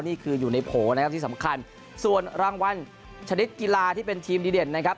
นี่คืออยู่ในโผล่นะครับที่สำคัญส่วนรางวัลชนิดกีฬาที่เป็นทีมดีเด่นนะครับ